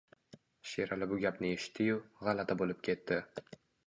Sherali bu gapni eshitdi-yu, g`alati bo`lib ketdi